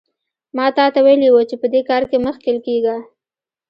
ما تاته ویلي وو چې په دې کار کې مه ښکېل کېږه.